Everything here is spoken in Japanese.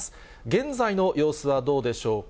現在の様子はどうでしょうか。